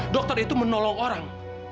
dokter itu menolong orang